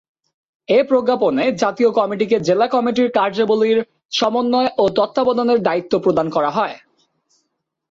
এ প্রজ্ঞাপনে জাতীয় কমিটিকে জেলা কমিটির কার্যাবলির সমন্বয় ও তত্ত্বাবধানের দায়িত্ব প্রদান করা হয়।